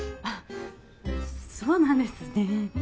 そうなんですね。